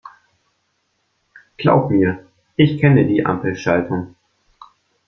Glaub mir, ich kenne die Ampelschaltung.